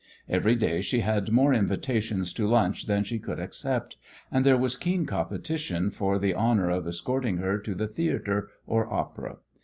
Every day she had more invitations to lunch than she could accept, and there was keen competition for the honour of escorting her to the theatre or opera.